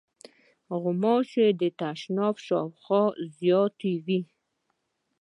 غوماشې د تشناب شاوخوا زیاتې وي.